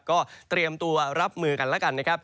ก็เตรียมตัวรับมือกันแล้วกันนะครับ